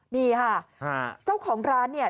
นี่ค่ะเจ้าของร้านเนี่ย